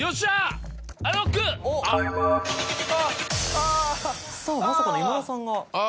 さぁまさかの今田さんが。